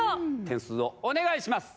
点数をお願いします。